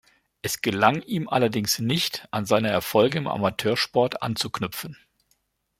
Es gelang ihm allerdings nicht, an seine Erfolge im Amateursport anzuknüpfen.